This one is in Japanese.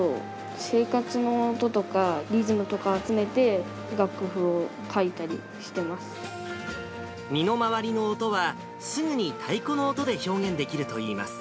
生活の音とかリズムとか集め身の回りの音は、すぐに太鼓の音で表現できるといいます。